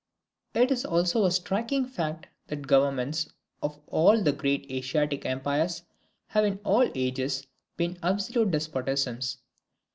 It is also a striking fact that the governments of all the great Asiatic empires have in all ages been absolute despotisms.